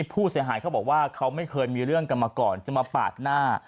ผู้เสียหายเขาบอกว่าเขาไม่เคยมีเรื่องกันมาก่อนจะมาปาดหน้า